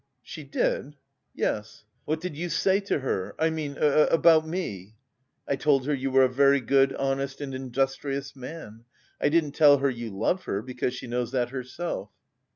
"She did!" "Yes." "What did you say to her... I mean, about me?" "I told her you were a very good, honest, and industrious man. I didn't tell her you love her, because she knows that herself."